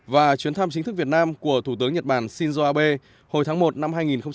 và chuyến thăm chính thức việt nam của thủ tướng nhật bản shinzo abe hồi tháng một năm hai nghìn hai mươi